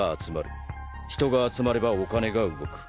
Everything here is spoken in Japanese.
人が集まればお金が動く。